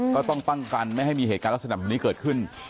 ก็ต้องป้องกันไม่ให้มีเหตุการณ์ลักษณะแบบนี้เกิดขึ้น